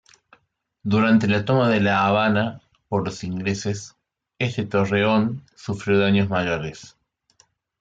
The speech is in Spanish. Durante la toma de La Habana por los ingleses, este torreón sufrió daños mayores.